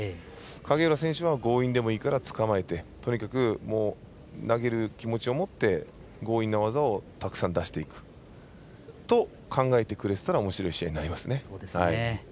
影浦選手は強引でもいいからつかまえてとにかく投げる気持ちを持って強引な技をたくさん出すと考えてくれてたらおもしろい試合になりますね。